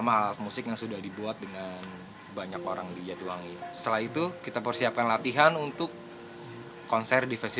pabrik genting tradisional mulai berdiri